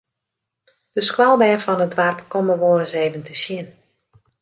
De skoalbern fan it doarp komme wolris even te sjen.